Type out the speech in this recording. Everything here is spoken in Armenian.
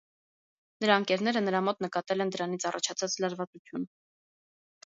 Նրա ընկերները նրա մոտ նկատել են դրանից առաջացած լարվածություն։